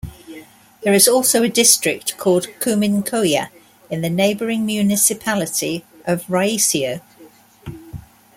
There is also a district called Kuninkoja in the neighbouring municipality of Raisio.